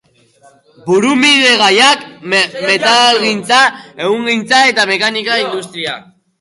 Burdinbide-gaiak, metalgintza, ehungintza eta mekanika-industria.